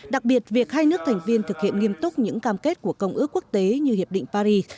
đặc biệt việc hai nước thành viên thực hiện nghiêm túc những cam kết của công ước quốc tế như hiệp định paris